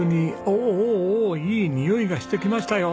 おおおおおおいいにおいがしてきましたよ。